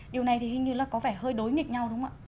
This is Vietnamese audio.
điều này thì hình như là có vẻ hơi đối nghịch nhau đúng không ạ